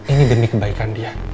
ini demi kebaikan dia